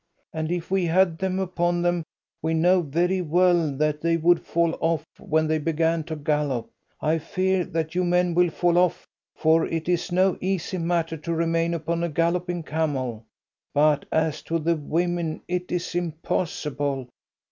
and if we had them upon them, we know very well that they would fall off when they began to gallop. I fear that you men will fall off, for it is no easy matter to remain upon a galloping camel; but as to the women, it is impossible.